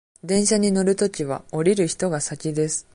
電車に乗るときは、降りる人が先です。